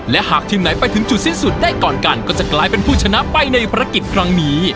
และหากทีมไหนไปถึงจุดสิ้นสุดได้ก่อนกันก็จะกลายเป็นผู้ชนะไปในภารกิจครั้งนี้